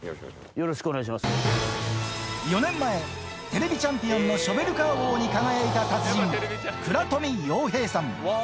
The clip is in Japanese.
４年前、テレビチャンピオンのショベルカー王に輝いた達人、倉冨洋平さん。